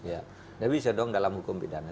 ya tapi bisa dong dalam hukum pidana